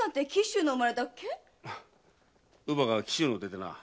乳母が紀州の出でな。